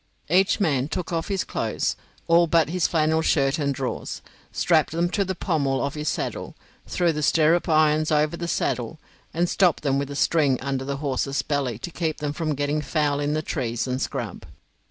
Each man took off his clothes, all but his flannel shirt and drawers, strapped them to the pommel of his saddle, threw the stirrup irons over the saddle, and stopped them with a string under the horse's belly to keep them from getting foul in the trees and scrub.